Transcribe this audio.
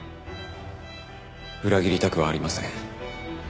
裏切りたくはありません。